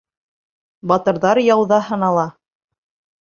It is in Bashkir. Батырҙар яуҙа һынала